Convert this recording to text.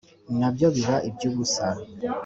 na byo biba iby'ubusa